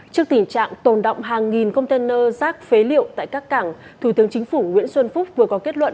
trước tình trạng tồn động hàng nghìn container rác phế liệu tại các cảng thủ tướng chính phủ nguyễn xuân phúc vừa có kết luận